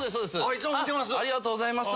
いつも見てます。